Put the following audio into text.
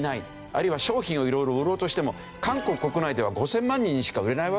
あるいは商品を色々売ろうとしても韓国国内では５０００万人にしか売れないわけですよね。